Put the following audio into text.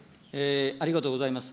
ありがとうございます。